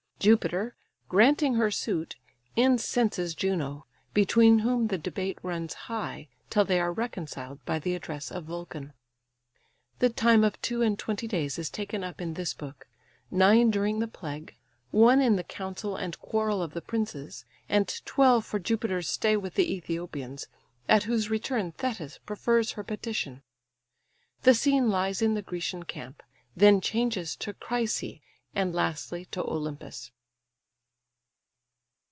Jupiter, granting her suit, incenses Juno: between whom the debate runs high, till they are reconciled by the address of Vulcan. The time of two and twenty days is taken up in this book: nine during the plague, one in the council and quarrel of the princes, and twelve for Jupiter's stay with the Æthiopians, at whose return Thetis prefers her petition. The scene lies in the Grecian camp, then changes to Chrysa, and lastly to Olympus.